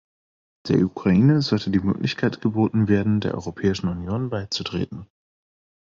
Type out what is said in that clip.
Der Ukraine sollte die Möglichkeit geboten werden, der Europäischen Union beizutreten.